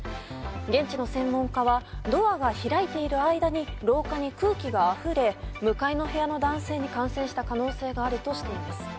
現地の専門家はドアが開いている間に廊下に空気があふれ向かいの部屋の男性に感染した可能性があるとしています。